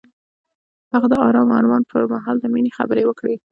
هغه د آرام آرمان پر مهال د مینې خبرې وکړې.